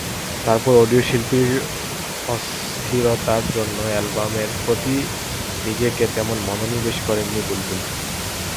তারপর অডিও শিল্পের অস্থিরতার জন্য অ্যালবামের প্রতি নিজেকে তেমন মনোনিবেশ করেননি বুলবুল।